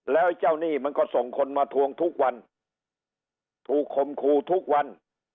แล้วเจ้าหนี้มันก็ส่งคนมาทวงทุกวันถูกคมครูทุกวัน